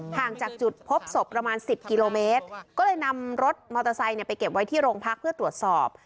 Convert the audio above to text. ห่างจากจุดพบศพประมาณ๑๐กิโลเมตรก็เลยนำรถมอเตอร์ไซค์ไปเก็บไว้ที่โรงพักเพื่อตรวจสอบ